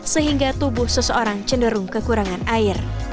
sehingga tubuh seseorang cenderung kekurangan air